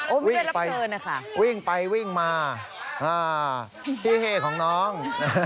โอ้ไม่ได้รับเชิญนะคะวิ่งไปวิ่งมาพี่เหของน้อง